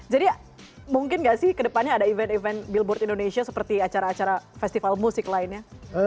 jadi mungkin gak sih ke depannya ada event event billboard indonesia seperti acara acara festival musik lainnya